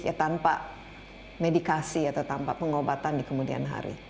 ya tanpa medikasi atau tanpa pengobatan di kemudian hari